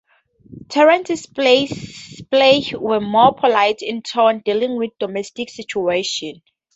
Terence's plays were more polite in tone, dealing with domestic situations.